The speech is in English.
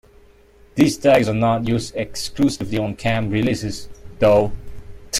These tags are not used exclusively on cam releases though.